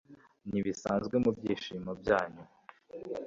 Ntibisanzwe mubyishimo byayo